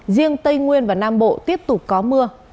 riêng tây nguyên và nam bộ tiếp tục có mưa